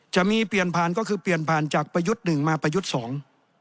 จะมีเปลี่ยนผ่านก็คือเปลี่ยนผ่านจากประยุทธ์หนึ่งมาประยุทธ์สอง